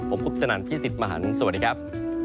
ผมคุปตนันพี่สิทธิ์มหันฯสวัสดีครับ